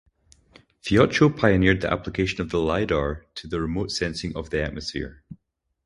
Fiocco pioneered the application of the Lidar to the remote sensing of the atmosphere.